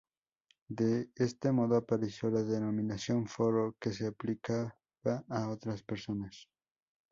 De este modo, apareció la denominación "forro" que se aplicaba a estas personas.